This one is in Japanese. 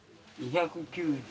２９３円。